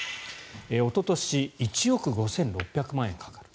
おととし１億５６００万円かかった。